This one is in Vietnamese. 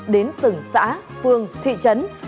đến từng xã phương thị trấn